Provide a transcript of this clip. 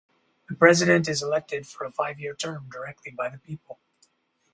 The president is elected for a five-year term directly by the people.